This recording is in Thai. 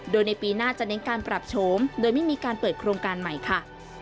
โดยในปีหน้าจะเน้นการปรับโฉมโดยไม่มีการเปิดโครงการใหม่ค่ะ